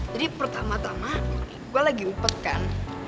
jadi pertama tama gue lagi upet kan